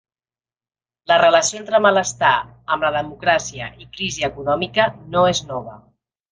La relació entre malestar amb la democràcia i crisi econòmica no és nova.